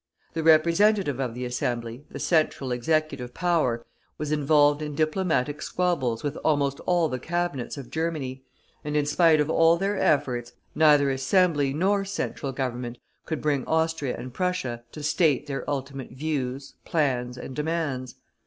The Representative of the Assembly, the Central Executive power, was involved in diplomatic squabbles with almost all the Cabinets of Germany, and, in spite of all their efforts, neither Assembly nor Central Government could bring Austria and Prussia to state their ultimate views, plans and demands.